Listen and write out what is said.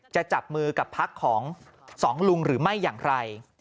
จะจับมือกับพักของสองลุงหรือไม่อย่างไร